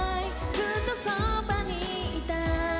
ずっとそばにいたい